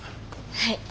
はい。